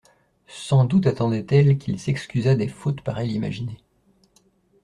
Sans doute attendait-elle qu'il s'excusât des fautes par elle imaginées.